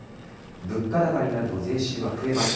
物価高になると税収は増えます。